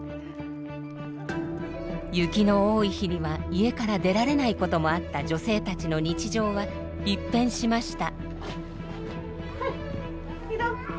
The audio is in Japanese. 雪の多い日には家から出られないこともあった女性たちの日常は一変しました。